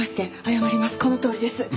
このとおりです！